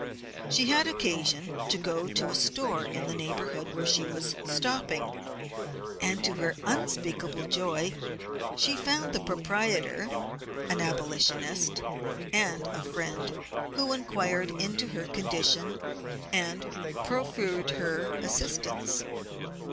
She had occasion to go to a store in the neighborhood where she was stopping, and to her unspeakable joy she found the proprietor an abolitionist and a friend who inquired into her condition and proffered her assistance.